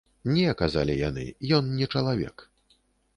Не, казалі яны, ён не чалавек.